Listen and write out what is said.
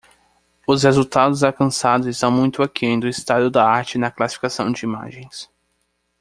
Os resultados alcançados estão muito aquém do estado da arte na classificação de imagens.